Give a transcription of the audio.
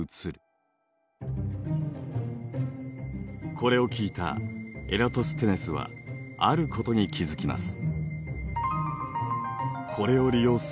これを聞いたエラトステネスはあることに気付きます。